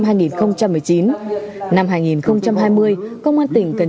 năm hai nghìn hai mươi công an tỉnh cần chỉ đạo công tác công tác công an năm hai nghìn hai mươi